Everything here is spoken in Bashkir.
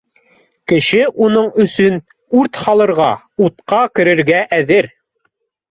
Кеше уның өсөн үрт һалырға, утҡа керергә әҙер